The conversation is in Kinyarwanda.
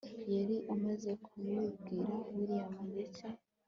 yari amaze kubibwira william ndetse